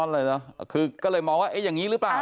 อ๋อเลยเหรอก็เลยมองว่าอย่างนี้หรือเปล่า